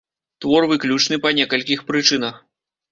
Твор выключны па некалькіх прычынах.